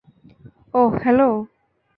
অহ, hello.